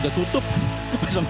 tunggu sampai jumpa